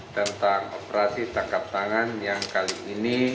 tentang operasi tangkap tangan yang kali ini